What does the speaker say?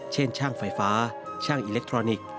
เช่นช่างไฟฟ้าช่างอิเล็กทรอนิกส์